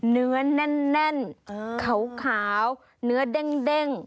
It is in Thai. เนื้อแน่นขาวเนื้อเด้ง